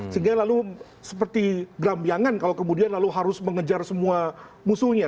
sehingga lalu seperti gerambiangan kalau kemudian lalu harus mengejar semua musuhnya